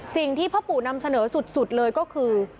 สิ่งที่พ่อปู่นำเสนอสุดเลยก็คือ